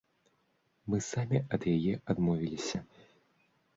Мы самі ад яе адмовіліся.